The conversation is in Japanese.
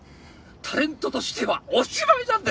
タレントとしてはおしまいなんです！